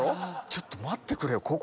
ちょっと待ってくれよ